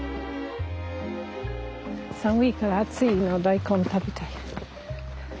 寒いから熱いの大根食べたい。